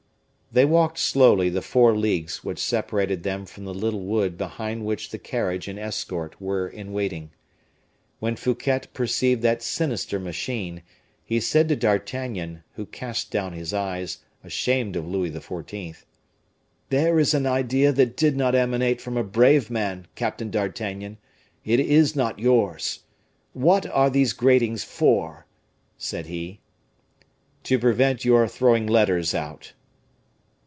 They walked slowly the four leagues which separated them from the little wood behind which the carriage and escort were in waiting. When Fouquet perceived that sinister machine, he said to D'Artagnan, who cast down his eyes, ashamed of Louis XIV., "There is an idea that did not emanate from a brave man, Captain d'Artagnan; it is not yours. What are these gratings for?" said he. "To prevent your throwing letters out."